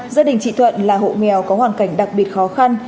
gia đình chị thuận là hộ nghèo có hoàn cảnh đặc biệt khó khăn